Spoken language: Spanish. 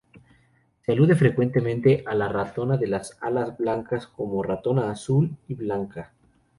Se alude frecuentemente a la ratona de alas blancas como ratona azul y blanca.